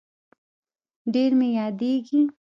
ډير مي ياديږي